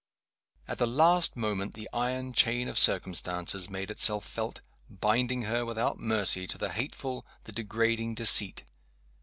At the last moment the iron chain of circumstances made itself felt, binding her without mercy to the hateful, the degrading deceit.